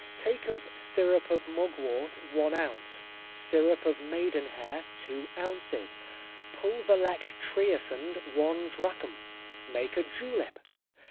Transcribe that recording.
Take of syrup of mugwort one ounce, syrup of maiden hair two ounces, pulv elect triasand one drachm; make a julep.